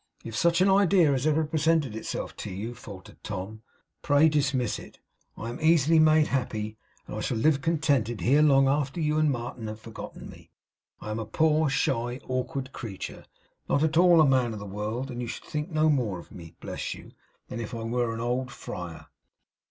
If such an idea has ever presented itself to you,' faltered Tom, 'pray dismiss it. I am easily made happy; and I shall live contented here long after you and Martin have forgotten me. I am a poor, shy, awkward creature; not at all a man of the world; and you should think no more of me, bless you, than if I were an old friar!